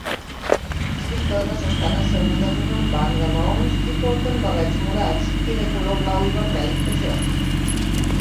Sis dones estan assegudes en un banc de maons i porten barrets morats, i de color blau i vermell a joc.